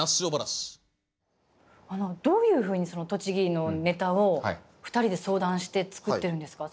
どういうふうにその栃木のネタを２人で相談して作ってるんですか？